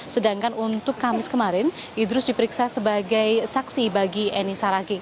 sedangkan untuk kamis kemarin idrus diperiksa sebagai saksi bagi eni saragi